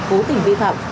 cố tình vi phạm